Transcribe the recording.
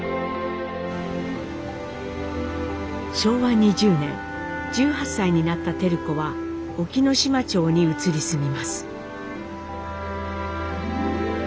昭和２０年１８歳になった照子は隠岐の島町に移り住みます。